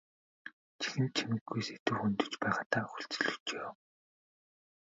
Чихэнд чимэггүй сэдэв хөндөж байгаадаа хүлцэл өчье.